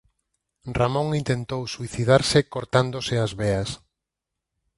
Ramón intentou suicidarse cortándose as veas.